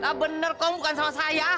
lah bener kong bukan sama saya